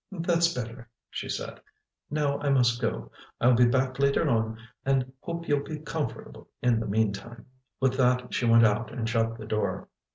"That's better," she said. "Now I must go. I'll be back later on and I hope you'll be comfortable in the meantime." With that she went out and shut the door.